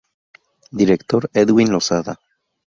Director: Edwin Lozada.